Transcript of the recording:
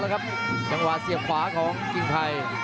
จังหว่างเสียบขวาของกิงภัย